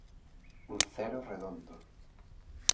Un cero redondo.